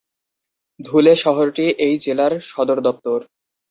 ধুলে শহরটি এই জেলার সদর দপ্তর।